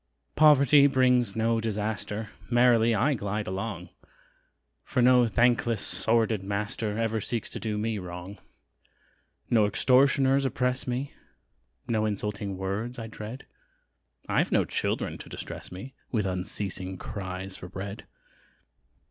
Poverty brings no disaster! Merrily I glide along, For no thankless, sordid master, Ever seeks to do me wrong: No extortioners oppress me, No insulting words I dread I've no children to distress me With unceasing cries for bread.